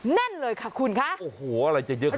แน่นเลยค่ะคุณคะโอ้โหอะไรจะเยอะกว่า